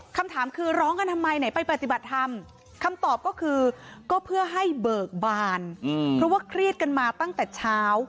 คำถามคือร้องกันทำไมไหนไปปฏิบัติธรรมคำตอบก็คือก็เพื่อให้เบิกบานเพราะว่าเครียดกันมาตั้งแต่เช้า